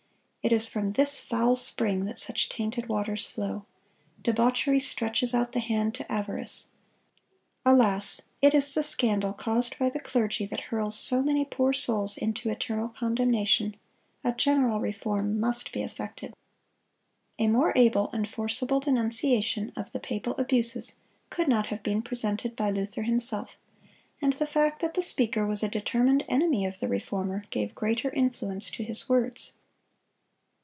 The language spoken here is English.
It is from this foul spring that such tainted waters flow. Debauchery stretches out the hand to avarice.... Alas, it is the scandal caused by the clergy that hurls so many poor souls into eternal condemnation. A general reform must be effected."(203) A more able and forcible denunciation of the papal abuses could not have been presented by Luther himself; and the fact that the speaker was a determined enemy of the Reformer, gave greater influence to his words.